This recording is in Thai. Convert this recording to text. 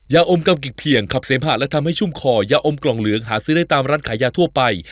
ยาอมกำกิกเพียงขับเสมหะและทำให้ชุ่มคอยาอมกล่องเหลืองหาซื้อได้ตามร้านขายยาทั่วไป